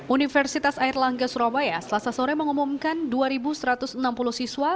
universitas airlangga surabaya selasa sore mengumumkan dua satu ratus enam puluh siswa